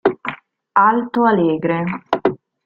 Alto Alegre